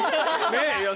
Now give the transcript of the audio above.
ねえ。